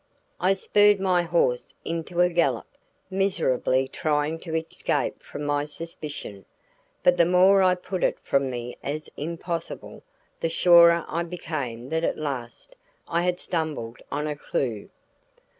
I spurred my horse into a gallop, miserably trying to escape from my suspicion; but the more I put it from me as impossible, the surer I became that at last I had stumbled on a clue.